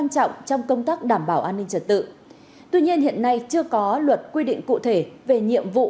trọng trong công tác đảm bảo an ninh trật tự tuy nhiên hiện nay chưa có luật quy định cụ thể về nhiệm vụ